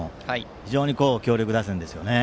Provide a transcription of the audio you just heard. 非常に強力打線ですね。